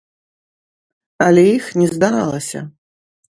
Але іх не здаралася!